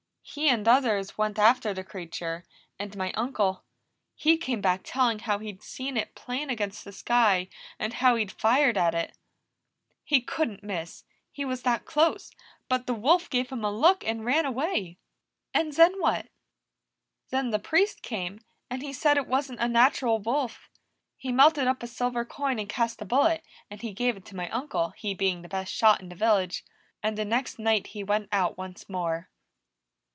He and others went after the creature, and my uncle, he came back telling how he'd seen it plain against the sky, and how he'd fired at it. He couldn't miss, he was that close, but the wolf gave him a look and ran away." "And then what?" "Then the Priest came, and he said it wasn't a natural wolf. He melted up a silver coin and cast a bullet, and he gave it to my uncle, he being the best shot in the village. And the next night he went out once more."